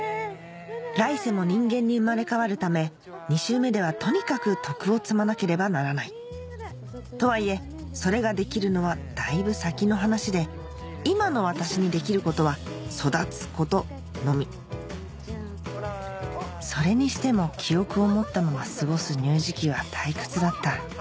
来世も人間に生まれ変わるため２周目ではとにかく徳を積まなければならないとはいえそれができるのはだいぶ先の話で今の私にできることは育つことのみそれにしても記憶を持ったまま過ごす乳児期は退屈だった